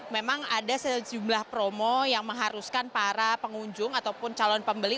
memang ada sejumlah promo yang mengharuskan para pengunjung ataupun calon pembeli